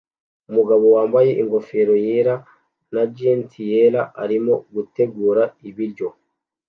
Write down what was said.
Umugabo wambaye ingofero yera na gants yera arimo gutegura ibiryo